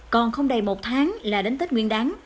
còn không đầy một tháng là đến tết nguyên đáng